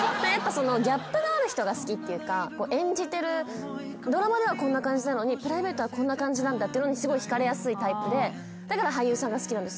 ギャップがある人が好きっていうか演じてるドラマではこんな感じなのにプライベートはこんな感じなんだっていうのにすごい引かれやすいタイプでだから俳優さんが好きなんですよ。